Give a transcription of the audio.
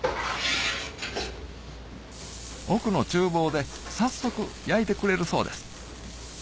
奥の厨房で早速焼いてくれるそうです